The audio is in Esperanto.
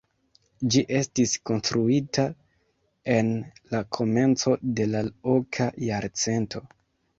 Ĝi estis konstruita en la komenco de la oka jarcento.